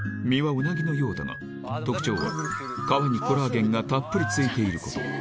身はウナギのようだが、特徴は、皮にコラーゲンがたっぷりついていること。